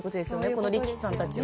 この力士さんたちを。